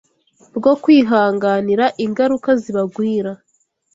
bwo kwihanganira ingaruka zibagwira